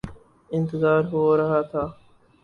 انتظار ہو رہا تھا